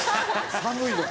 「寒いんです」